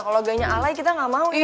kalau gayanya alai kita nggak mau ya